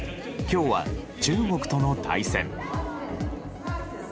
今日は中国との対戦。